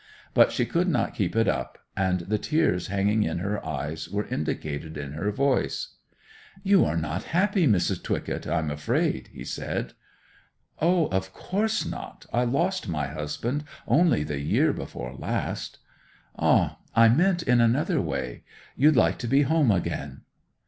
But she could not keep it up, and the tears hanging in her eyes were indicated in her voice. 'You are not happy, Mrs. Twycott, I'm afraid?' he said. 'O, of course not! I lost my husband only the year before last.' 'Ah! I meant in another way. You'd like to be home again?